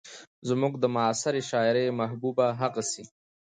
زموږ د معاصرې شاعرۍ محبوبه هغسې